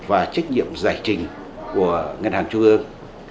và trách nhiệm giải trình của ngân hàng trung ương